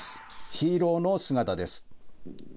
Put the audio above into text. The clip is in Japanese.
ヒーローの姿です。